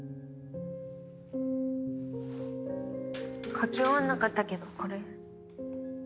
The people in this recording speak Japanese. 描き終わんなかったけどこれ。